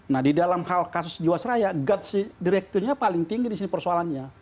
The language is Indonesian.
nah di dalam hal kasus jiwasraya guts direkturnya paling tinggi di sini persoalannya